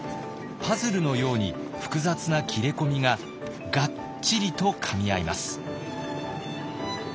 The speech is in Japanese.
パズルのように複雑な切れ込みががっちりとかみ合います。